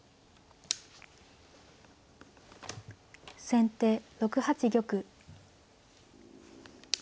先手６八玉。